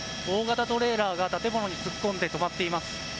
大型トレーラーが建物に突っ込んで止まっています。